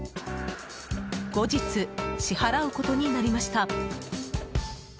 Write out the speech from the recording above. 後日、支払うことになりました。